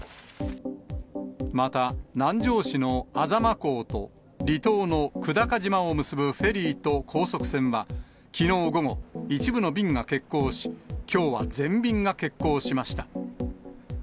また南城市の安座真港と、離島の久高島を結ぶフェリーと高速船は、きのう午後、一部の便が欠航し、きょうは全便が欠航しました。